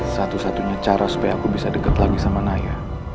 satu satunya cara supaya aku bisa dekat lagi sama naya